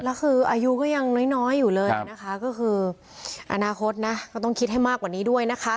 แล้วคืออายุก็ยังน้อยอยู่เลยนะคะก็คืออนาคตนะก็ต้องคิดให้มากกว่านี้ด้วยนะคะ